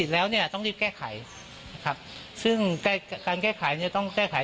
เป็นประเภทส่องเพื่อที่